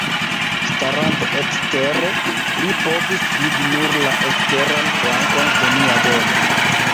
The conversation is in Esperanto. Starante ekstere, li povis vidi nur la eksteran flankon de nia domo.